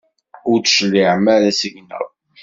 Ur d-tecliɛem ara seg-neɣ.